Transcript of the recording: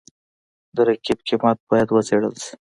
د رقیب قیمت باید وڅېړل شي.